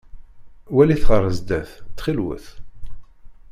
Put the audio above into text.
Walit ɣer zdat ttxil-wet!